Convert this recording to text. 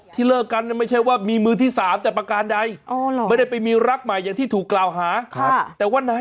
ที่เจนเหลว้นไปบริโภคอยากเจอตลาด